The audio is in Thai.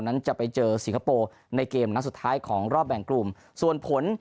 นั้นจะไปเจอสิงคโปร์ในเกมนัดสุดท้ายของรอบแบ่งกลุ่มส่วนผล